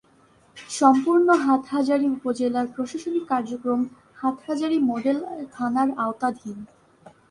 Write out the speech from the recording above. সম্পূর্ণ হাটহাজারী উপজেলার প্রশাসনিক কার্যক্রম হাটহাজারী মডেল থানার আওতাধীন।